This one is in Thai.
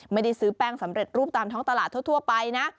ไม่ได้ซื้อแป้งสำเร็จรูปตามท้องตลาดทั่วไปนะ